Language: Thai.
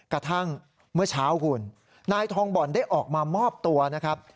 กระทั่งเมื่อเช้าคุณนายทองบ่อนได้ออกมามอบตัวนะครับ